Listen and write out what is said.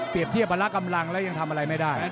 เทียบพละกำลังแล้วยังทำอะไรไม่ได้